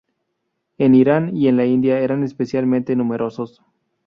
En Irán y en la India era especialmente numerosos.